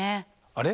あれ？